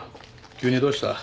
急にどうした？